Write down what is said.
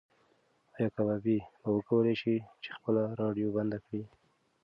ایا کبابي به وکولی شي چې خپله راډیو بنده کړي؟